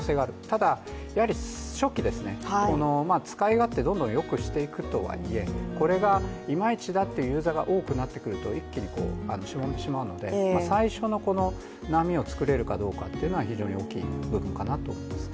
ただ、やはり初期使い勝手、どんどんよくしていくとはいえこれがいまいちだというユーザーが多くなってくると一気にしぼんでしまうので最初の波を作れるかどうかというのは非常に大きい部分かなと思いますね。